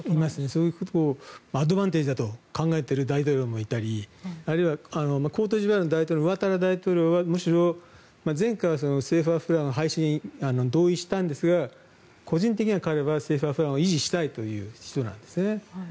そういうことをアドバンテージだと考えている人もいたりあるいはコートジボワールの大統領はむしろ前回はＣＦＡフラン廃止に同意したんですが個人的に彼はＣＦＡフランを維持したいという人なんですね。